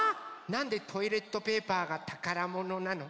なんでトイレットペーパーがたからものなの？